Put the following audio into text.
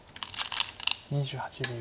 ２８秒。